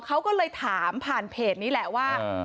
เขาก็เลยถามผ่านเพจนี้แหละว่า